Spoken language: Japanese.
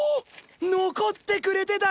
残ってくれてたか！